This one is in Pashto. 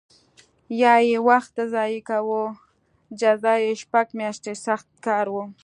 یا یې وخت ضایع کاوه جزا یې شپږ میاشتې سخت کار و